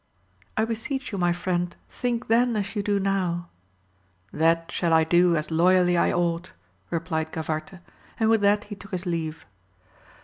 — I beseech you my friend, think then as you do now ! That shall I do as loyally I ought, replied Gavarte, and with that he took his leave.